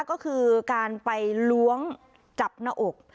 ก็คือการไปล้วงจับหน้าอก